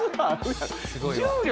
すごいわ。